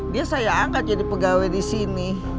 dia saya angkat jadi pegawai disini